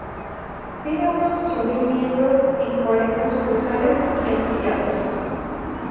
Tiene unos ocho mil miembros en cuarenta sucursales y afiliados.